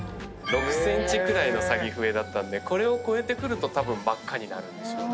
６ｃｍくらいのサギフエだったんでこれを超えると真っ赤になるんでしょうね。